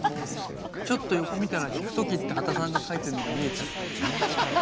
ちょっと横見たら「引く時」って刄田さんが書いてるのが見えちゃったんで。